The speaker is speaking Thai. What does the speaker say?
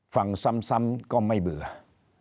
ฟังซ้ำก็ไม่เบื่อ